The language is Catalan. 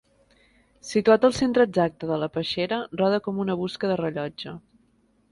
Situat al centre exacte de la peixera roda com una busca de rellotge.